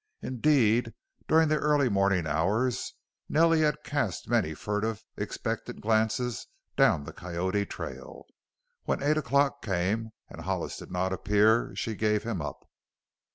Indeed, during the early morning hours Nellie had cast many furtive, expectant glances down the Coyote trail. When eight o'clock came and Hollis did not appear she gave him up.